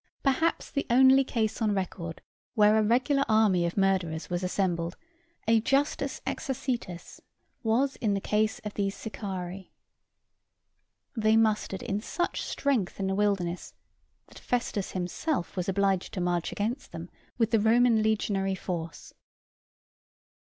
Perhaps the only case on record where a regular army of murderers was assembled, a justus exercitus, was in the case of these Sicarii. They mustered in such strength in the wilderness, that Festus himself was obliged to march against them with the Roman legionary force."